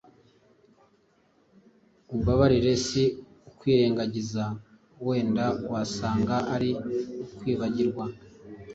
umbabarire si ukwirengagiza wenda wasanga ari ukwibagirwa.